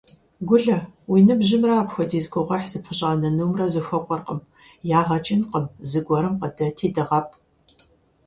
Гулэ, уи ныбжьымрэ апхуэдиз гугъуехь зыпыщӀа нынумрэ зэхуэкӀуэркъым. Ягъэ кӀынкъым, зыгуэрым къыдэти дыгъэпӀ.